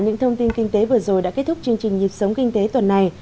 những thông tin kinh tế vừa rồi đã kết thúc chương trình nhịp sống kinh tế tuần này